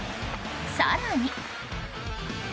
更に。